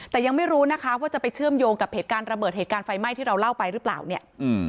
แต่ยังไม่รู้นะคะว่าจะไปเชื่อมโยงกับเหตุการณ์ระเบิดเหตุการณ์ไฟไหม้ที่เราเล่าไปหรือเปล่าเนี่ยอืม